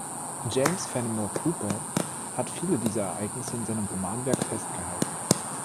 James Fenimore Cooper hat viele dieser Ereignisse in seinem Romanwerk festgehalten.